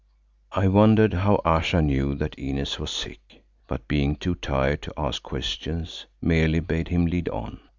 I wondered how Ayesha knew that Inez was sick, but being too tired to ask questions, merely bade him lead on.